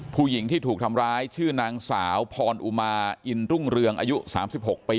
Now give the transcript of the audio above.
ผู้หญิงที่ถูกทำร้ายชื่อนางสาวพรอุมาอินรุ่งเรืองอายุ๓๖ปี